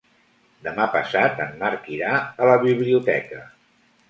Demà passat en Marc irà a la biblioteca.